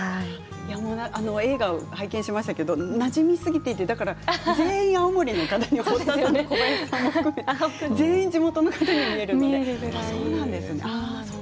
映画を拝見しましたけれどもなじみすぎて全員、青森の方に堀田さんと小林さんも入っていて全員、地元の方に見えるので。